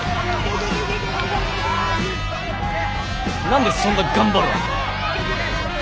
何でそんな頑張るわけ？